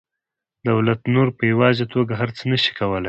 دولت نور په یوازې توګه هر څه نشي کولی